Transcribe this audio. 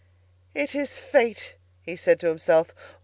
"It is fate!" he said to himself.